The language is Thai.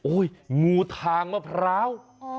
โอ้โฮงูทางมะพร้าว